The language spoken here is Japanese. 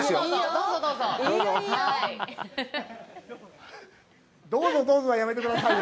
“どうぞ、どうぞ”はやめてください。